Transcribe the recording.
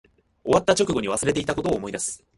終わった直後に忘れていたことを思い出す